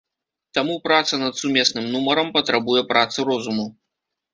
Таму праца над сумесным нумарам патрабуе працы розуму.